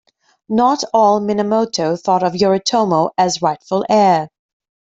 Not all Minamoto thought of Yoritomo as rightful heir.